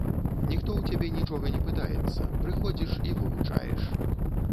Ніхто ў цябе нічога не пытаецца, прыходзіш і вывучаеш.